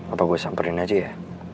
apa gue samperin aja ya